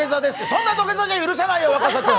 そんな土下座じゃ許さないよ、若狭君！